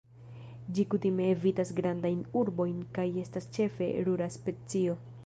Ĝi kutime evitas grandajn urbojn kaj estas ĉefe rura specio.